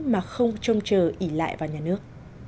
mà không trông chờ ý lại vào nhà nước